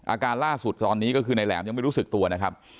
อาการล่าสุดตอนนี้ก็คือนายแหลมยังไม่รู้สึกตัวนะครับ